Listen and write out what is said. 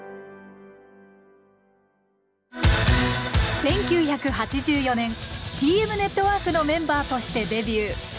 １９８４年ＴＭＮＥＴＷＯＲＫのメンバーとしてデビュー。